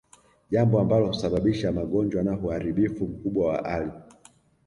Jambo ambalo husababisha magonjwa na uharibifu mkubwa wa ardhi